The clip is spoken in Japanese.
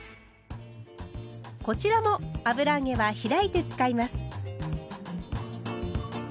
こちらも油揚げは開いて使います。